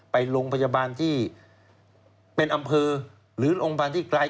ไปโรงพยาบาลที่เป็นอำเภอหรือโรงพยาบาลที่ไกล